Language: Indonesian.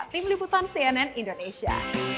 tim liputan cnn indonesia